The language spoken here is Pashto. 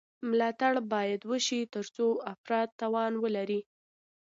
ملاتړ باید وشي ترڅو افراد توان ولري.